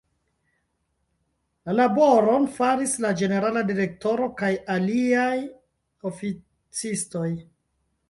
La laboron faris la Ĝenerala Direktoro kaj aliaj oficistoj.